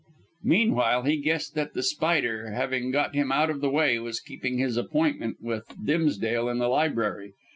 Meanwhile, he guessed that The Spider, having got him out of the way, was keeping his appointment with Dimsdale in the library.